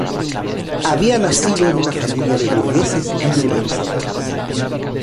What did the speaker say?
Había nacido en una familia de burgueses librepensadores.